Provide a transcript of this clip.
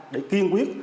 để kiên quyết